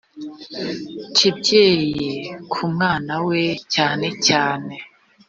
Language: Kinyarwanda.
kibyeyi ku mwana we cyane cyane